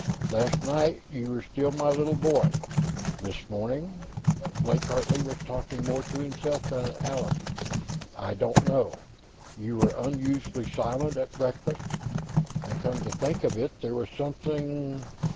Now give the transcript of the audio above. "Last night, you were still my little boy. This morning " Blake Hartley was talking more to himself than to Allan. "I don't know. You were unusually silent at breakfast. And come to think of it, there was something